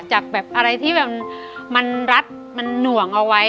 จากแบบอะไรที่มันรัดมันหน่วงเอาไว้